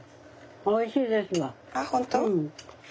おいしいですわ。